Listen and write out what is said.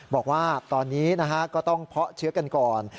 บอกว่าตอนนี้ก็ต้องเพาะเชื้อกันก่อน